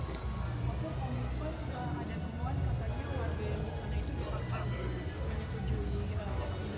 apakah kalau misalnya sudah ada temuan katanya warga yang disuruh menuju